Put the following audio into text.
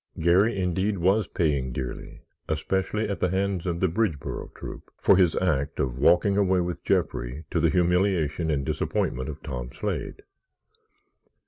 Garry, indeed, was paying dearly (especially at the hands of the Bridgeboro Troop) for his act of walking away with Jeffrey to the humiliation and disappointment of Tom Slade.